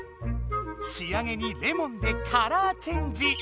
しあげにレモンでカラーチェンジ。